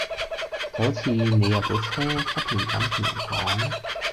就好似你有部車，不停咁同人講